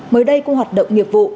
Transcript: mới đây cùng hoạt động nghiệp vụ